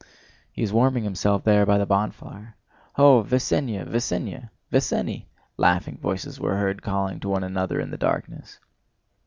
"He is warming himself there by the bonfire. Ho, Vesénya! Vesénya!—Vesénny!" laughing voices were heard calling to one another in the darkness.